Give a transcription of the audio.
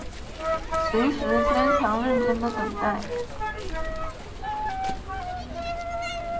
随时坚强认真的等待